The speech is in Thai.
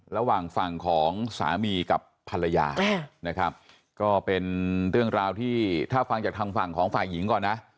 ระหว่างฝั่งของสามีกับภรรยานะครับก็เป็นเรื่องราวที่ถ้าฟังจากทางฝั่งของฝ่ายหญิงก่อนนะ